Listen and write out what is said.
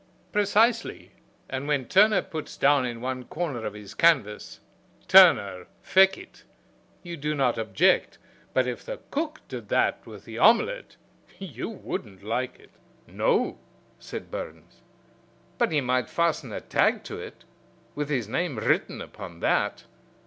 "Precisely; and when Turner puts down in one corner of his canvas, 'Turner, fecit,' you do not object, but if the cook did that with the omelette you wouldn't like it." "No," said Burns; "but he might fasten a tag to it, with his name written upon that."